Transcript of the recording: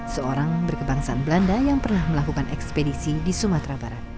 seorang berkebangsaan belanda yang pernah melakukan ekspedisi di sumatera barat